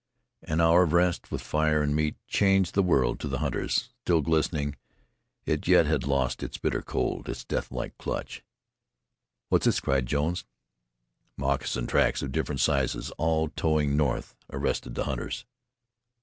An hour of rest, with fire and meat, changed the world to the hunters; still glistening, it yet had lost its bitter cold its deathlike clutch. "What's this?" cried Jones. Moccasin tracks of different sizes, all toeing north, arrested the hunters.